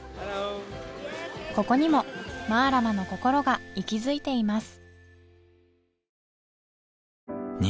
ここにもマラマのこころが息づいています